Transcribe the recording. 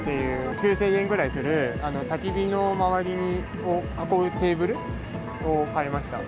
９０００円くらいする、たき火の周りを囲うテーブルを買いました。